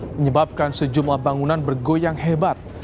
menyebabkan sejumlah bangunan bergoyang hebat